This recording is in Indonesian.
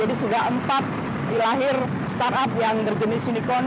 jadi sudah empat lahir startup yang berjenis unicorn